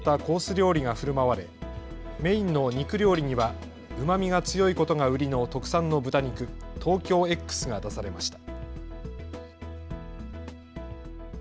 料理がふるまわれメインの肉料理にはうまみが強いことが売りの特産の豚肉、ＴＯＫＹＯＸが出されました。